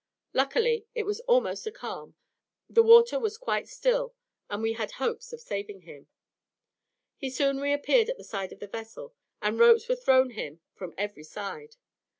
Luckily, it was almost a calm, the water was quite still, and we had hopes of saving him. He soon reappeared at the side of the vessel, and ropes were thrown him from every side.